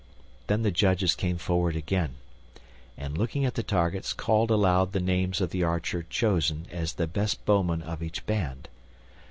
Then the judges came forward again, and looking at the targets, called aloud the names of the archer chosen as the best bowman of each band.